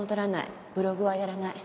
ブログはやらない